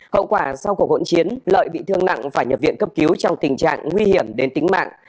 hậu quả sau cuộc hỗn chiến lợi bị thương nặng phải nhập viện cấp cứu trong tình trạng nguy hiểm đến tính mạng